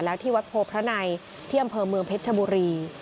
แล้วที่วัดโพพระในที่อำเภอเมืองเพชรชบุรี